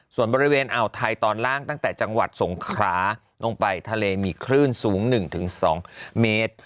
ส่วนบริเวณอ่าวไทยตอนล่างตั้งแต่จังหวัดสงคราลงไปทะเลมีคลื่นสูง๑๒เมตร